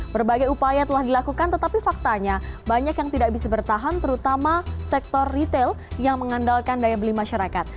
berbagai upaya telah dilakukan tetapi faktanya banyak yang tidak bisa bertahan terutama sektor retail yang mengandalkan daya beli masyarakat